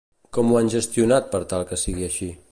Com ho han gestionat per tal que sigui així?